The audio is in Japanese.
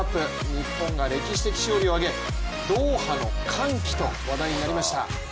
日本が歴史的勝利を挙げ、ドーハの歓喜と話題になりました。